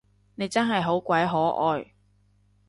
你真係好鬼可愛